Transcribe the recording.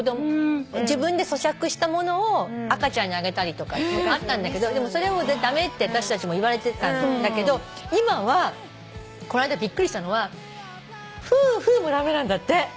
自分でそしゃくしたものを赤ちゃんにあげたりとかあったんだけどそれも駄目って私たちも言われてたんだけど今はこの間びっくりしたのはフーフーも駄目なんだって。